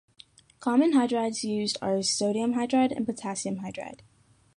Common hydrides used are sodium hydride and potassium hydride.